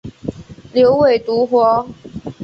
牛尾独活